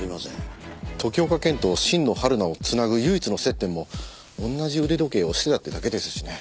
時岡賢と新野はるなを繋ぐ唯一の接点も同じ腕時計をしてたってだけですしね。